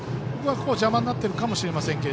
邪魔になっているかもしれませんが。